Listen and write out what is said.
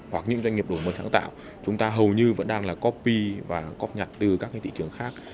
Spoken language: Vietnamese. hoặc những doanh nghiệp đổi mới sáng tạo chúng ta hầu như vẫn đang là copy và cop nhặt từ các thị trường khác